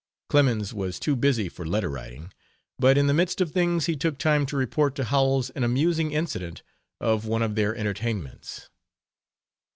Clemens was too busy for letter writing, but in the midst of things he took time to report to Howells an amusing incident of one of their entertainments.